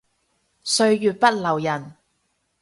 歲月不留人